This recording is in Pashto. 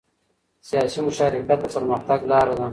سیاسي مشارکت د پرمختګ لاره ده